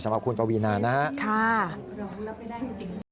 ฉันขอบคุณประวีนานะครับค่ะค่ะร้องรับไม่ได้จริง